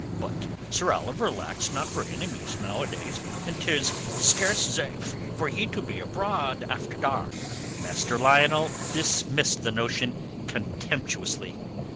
"But Sir Oliver lacks not for enemies nowadays, and 'tis scarce zafe for he to be abroad after dark." Master Lionel dismissed the notion contemptuously.